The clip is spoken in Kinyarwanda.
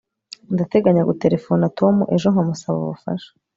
Ndateganya guterefona Tom ejo nkamusaba ubufasha